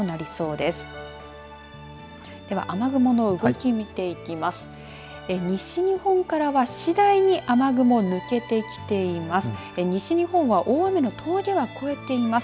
では雨雲の動き、見ていきます。